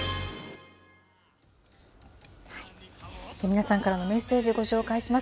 皆さんからのメッセージ、ご紹介します。